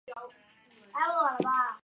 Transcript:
基于细胞的免疫疗法对一些癌症有效。